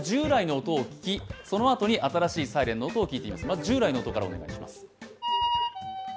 まず従来の音からお願いします。